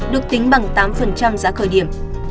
được tính bằng tám giá khởi điểm